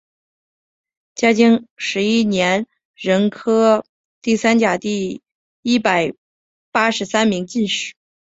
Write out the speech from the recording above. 嘉靖十一年壬辰科第三甲第一百八十三名进士。